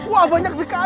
wah banyak sekali